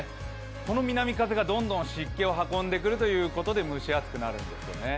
この南風がどんどん湿気を運んでくるということで蒸し暑くなるんですよね。